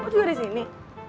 kok juga di sini